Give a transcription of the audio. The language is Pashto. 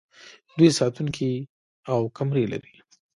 دوی ساتونکي او کمرې لري.